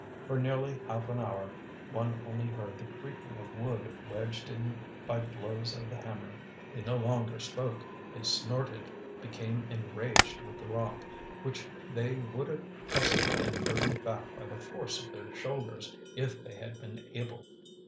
For nearly half an hour one only heard the creaking of wood wedged in by blows of the hammer. They no longer spoke, they snorted, became enraged with the rock, which they would have hustled and driven back by the force of their shoulders if they had been able.